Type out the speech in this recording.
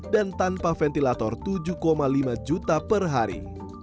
dan tanpa ventilator tujuh lima juta per hari